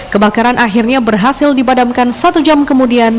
kebakaran akhirnya berhasil dibadamkan satu jam kemudian